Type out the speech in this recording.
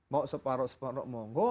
mau separuh separuh monggo